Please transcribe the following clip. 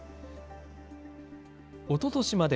おととしまで